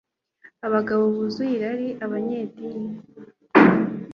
abagabo buzuye irari, abanyedini